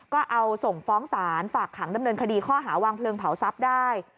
ก็เอาส่งฟ้องศาลฝากขังดำเนินคดีข้อหาวางเพลิงเผาทรัพย์ได้